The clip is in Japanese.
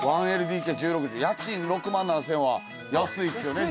１ＬＤＫ１６帖家賃６万７０００円は安いですよね。